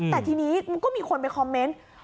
แต่ทีนี้มันก็มีคนไปคอมเมนต์